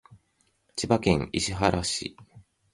千葉県市原市